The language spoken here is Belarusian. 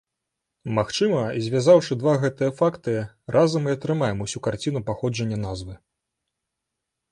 Магчыма, звязаўшы два гэтыя факты разам і атрымаем усю карціну паходжання назвы.